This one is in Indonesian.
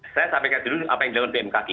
saya sampaikan dulu apa yang dilakukan bmkg